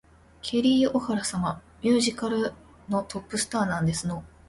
ケリー・オハラ様ですわ。ミュージカルのトップスターなんですの